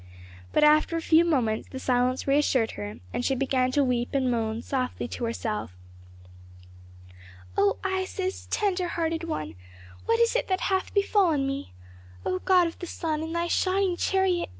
But after a few moments the silence reassured her and she began to weep and moan softly to herself. "O Isis, tender hearted one, what is it that hath befallen me? O God of the Sun in thy shining chariot!